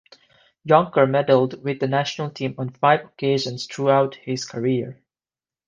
Jonker medalled with the national team on five occasions throughout his career.